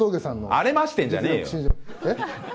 アレましてんじゃねえよ。